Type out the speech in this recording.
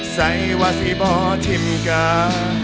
ใส่ว่าสิ่งบ่อทิ้งกา